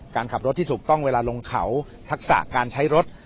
การขับรถที่ถูกต้องเวลาลงเขาทักษะการใช้รถ